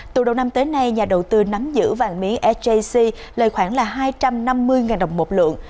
từ đầu năm tới nay nhà đầu tư nắm giữ vàng miếng sjc lời khoảng hai trăm năm mươi đồng một lượng